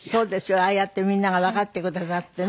ああやってみんながわかってくださってね。